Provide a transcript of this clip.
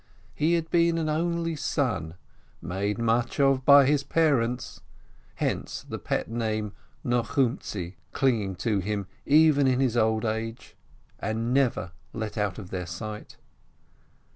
He had been an only son, made much of by his parents (hence the pet name Nochumtzi clinging to him even in his old age), and never let out of their sight.